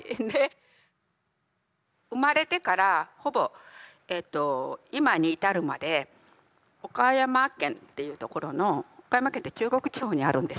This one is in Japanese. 生まれてからほぼ今に至るまで岡山県っていうところの岡山県って中国地方にあるんです。